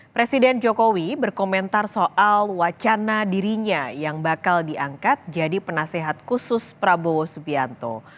presiden jokowi berkomentar soal wacana dirinya yang bakal diangkat jadi penasehat khusus prabowo subianto